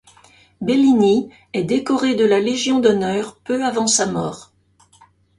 Bellini est décoré de la Légion d'honneur peu avant sa mort.